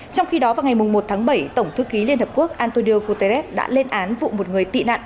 trong khi đó vào ngày một tháng bảy tổng thư ký liên hợp quốc antonio guterres đã lên án vụ một người tị nạn